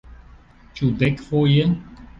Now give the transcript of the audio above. Ĉu dekfoje?